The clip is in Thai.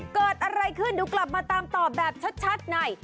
เกิดอะไรขึ้นดูกลับมาตามตอบแบบชัดใน